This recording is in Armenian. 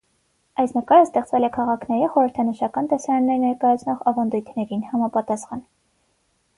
Այս նկարը ստեղծվել է քաղաքների խորհրդանշական տեսարաններ ներկայացնող ավանդույթներին համապատասխան։